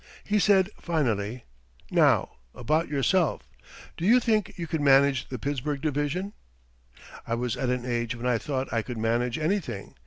He said finally: "Now about yourself. Do you think you could manage the Pittsburgh Division?" I was at an age when I thought I could manage anything.